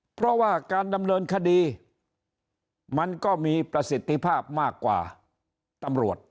เพราะว่าการดำเนินคดีมันก็มีประสิทธิภาพมากกว่าตำรวจ